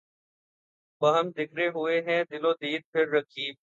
باہم دِکر ہوئے ہیں دل و دیده پهر رقیب